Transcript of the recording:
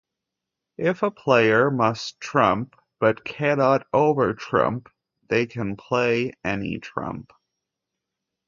If a player must trump but cannot overtrump, they can play any trump.